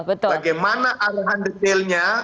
bagaimana arahan detailnya